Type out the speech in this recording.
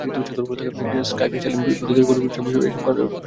Skype, পল্লী বিদ্যুতের বিল পরিশোধ, জমির পর্চা—এসব সেবা সেন্টার থেকে পাওয়া যায়।